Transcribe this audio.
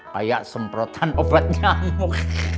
kayak semprotan obat nyamuk